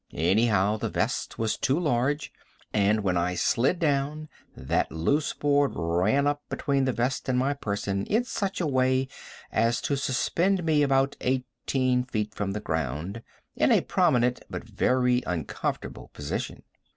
Anyhow the vest was too large, and when I slid down that loose board ran up between the vest and my person in such a way as to suspend me about eighteen feet from the ground, in a prominent but very uncomfortable position.